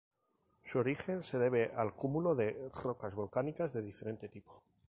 Su origen se debe al cúmulo de rocas volcánicas de diferente tipo.